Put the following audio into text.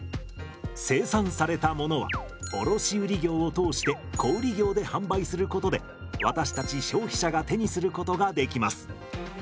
生産されたものは卸売業を通して小売業で販売することで私たち消費者が手にすることができます。